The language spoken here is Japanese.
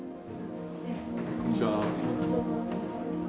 こんにちは。